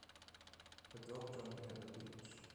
A dog jumping at the beach